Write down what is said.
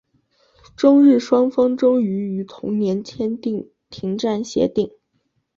中日双方最终于同年签订停战协定。